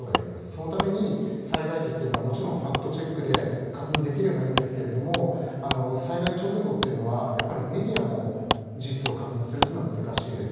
そのために災害時はもちろんファクトチェックで確認できればいいんですけど災害直後というのはメディアも事実を確認するのが難しいです。